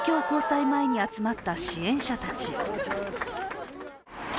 歓喜に沸く東京高裁前に集まった支援者たち。